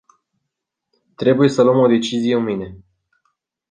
Trebuie să luăm o decizie mâine.